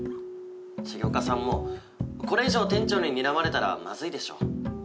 重岡さんもこれ以上店長ににらまれたらまずいでしょ。